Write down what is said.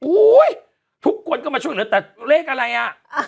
ทุกคนก็มาช่วยเหลือแต่เลขอะไรอ่ะ